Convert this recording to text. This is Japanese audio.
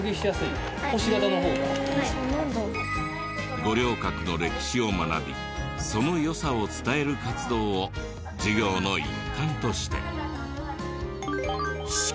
五稜郭の歴史を学びその良さを伝える活動を授業の一環として。